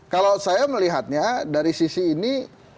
kalau saya melihatnya dari sisi ini